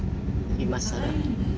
今更。